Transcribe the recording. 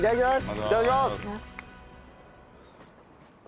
いただきます。